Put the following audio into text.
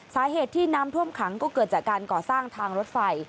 สาเหตุที่น้ำท่วมขังก็เกิดจากการก่อสร้างทางรถไฟ